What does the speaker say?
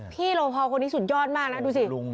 พี่รอพอคนนี้สุดยอดมากนะดูสิ